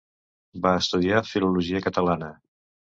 Va estudiar filologia catalana.